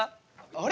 あれ？